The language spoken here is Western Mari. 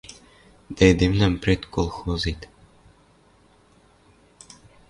Дӓ эдемвлӓм предколхозет